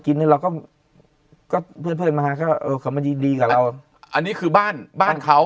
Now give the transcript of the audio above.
กินแล้วก็เพื่อนมาก็มันดีกับเราอันนี้คือบ้านบ้านเขา